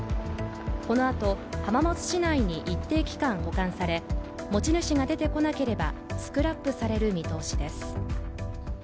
このあと、浜松市内に一定期間保管され、持ち主が出てこなければ、スクラップされる見通しです。